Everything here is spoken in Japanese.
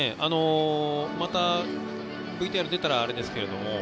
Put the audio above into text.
また、ＶＴＲが出たらあれですけども。